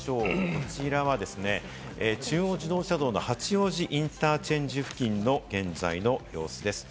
こちらは中央自動車道の八王子インターチェンジ付近の現在の様子です。